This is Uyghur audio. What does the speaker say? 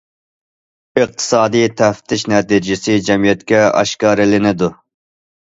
ئىقتىسادىي تەپتىش نەتىجىسى جەمئىيەتكە ئاشكارىلىنىدۇ.